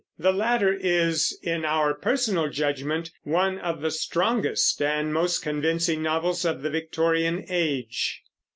The latter is, in our personal judgment, one of the strongest and most convincing novels of the Victorian Age.